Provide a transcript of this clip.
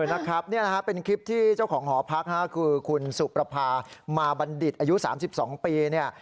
นะครับเนี่ยนะฮะเป็นคลิปที่เจ้าของหอพักษ์ฮะก็คือคุณสุปรภามาบัณฑิตอายุสามสิบสองปีเนี่ย